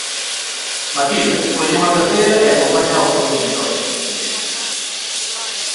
Matilda, colle unha candea e acompáñaa ao seu dormitorio —dixo.